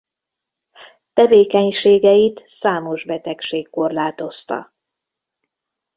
Tevékenységeit számos betegség korlátozta.